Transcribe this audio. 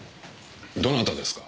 どなたですか？